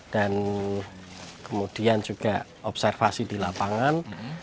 dan kemudian juga observasi di lapangan